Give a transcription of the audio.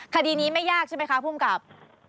คดีนี้ไม่ยากใช่ไหมคะภูมิกับ